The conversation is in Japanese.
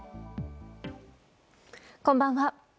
こんばんは。